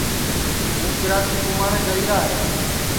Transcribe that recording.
ہوں کراچی کُماٹؔے جائیرا ہے